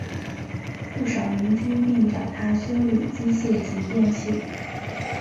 不少邻居并找他修理机械及电器。